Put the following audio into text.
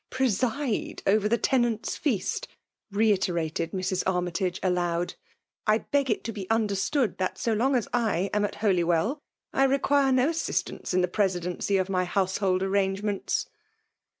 " Preside over the tenants' feast !*' reiterated Mrs. Armytage aloud. "I heg it to be un derstood, that so long as / am. at Holywell, I require no assistance in the presidency of my household arrangements."